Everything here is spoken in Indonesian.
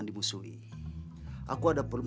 dimusuhi aku ada perlu